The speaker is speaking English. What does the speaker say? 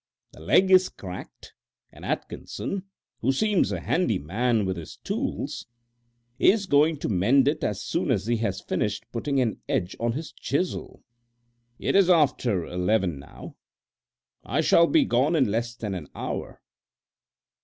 The leg is cracked, and Atkinson, who seems a handy man with his tools, is going to mend it as soon as he has finished putting an edge on his chisel. It is after eleven now. I shall be gone in less than an hour.